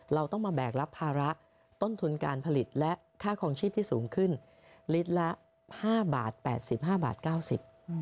เราต้องมาแบกรับภาระต้นทุนการผลิตและค่าคลองชีพที่สูงขึ้นลิตรละห้าบาทแปดสิบห้าบาทเก้าสิบ